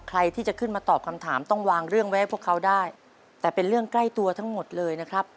ใครที่จะขึ้นมาตอบคำถามต้องวางเรื่องไว้ให้พวกเขาได้แต่เป็นเรื่องใกล้ตัวทั้งหมดเลยนะครับ